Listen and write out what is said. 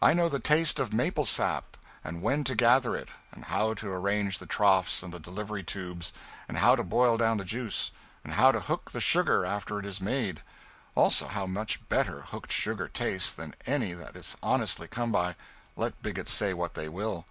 I know the taste of maple sap, and when to gather it, and how to arrange the troughs and the delivery tubes, and how to boil down the juice, and how to hook the sugar after it is made; also how much better hooked sugar tastes than any that is honestly come by, let bigots say what they will.